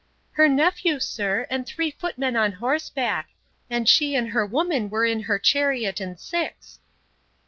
Her nephew, sir, and three footmen on horseback; and she and her woman were in her chariot and six.